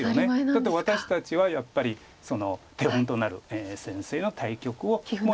だって私たちはやっぱり手本となる先生の対局を。